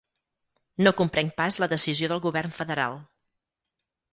No comprenc pas la decisió del govern federal.